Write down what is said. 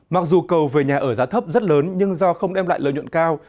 mặc dù cầu về nhà ở giá thấp rất lớn nhưng do không đem lại lợi nhuận cao